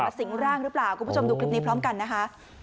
สิงร่างหรือเปล่าคุณผู้ชมดูคลิปนี้พร้อมกันนะคะ